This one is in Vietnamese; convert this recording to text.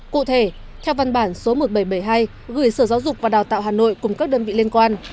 cụ thể theo văn bản số một nghìn bảy trăm bảy mươi hai gửi sở giáo dục và đào tạo hà nội cùng các đơn vị liên quan